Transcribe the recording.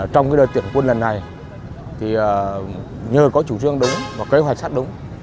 trong đợt tuyển quân lần này nhờ có chủ trương đúng và kế hoạch sát đúng